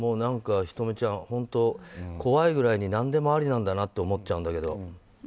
ｈｉｔｏｍｉちゃん怖いぐらいに何でもありなんだなって思っちゃうんだけど。